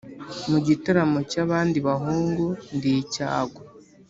mu gitaramo cy'abandi bahungu, ndi icyago.